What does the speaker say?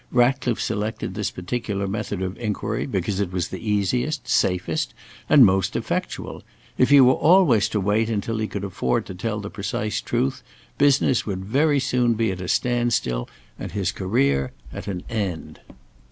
Ratcliffe selected this particular method of inquiry because it was the easiest, safest, and most effectual. If he were always to wait until he could afford to tell the precise truth, business would very soon be at a standstill, and his career at an end.